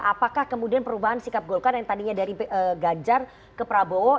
apakah kemudian perubahan sikap golkar yang tadinya dari ganjar ke prabowo